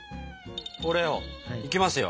これをいきますよ。